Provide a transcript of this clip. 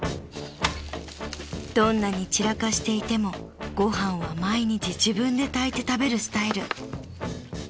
［どんなに散らかしていてもご飯は毎日自分で炊いて食べるスタイル］